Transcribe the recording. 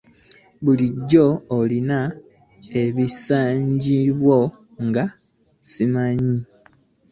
Bulijjo olina ebisanyizo nga simanyi.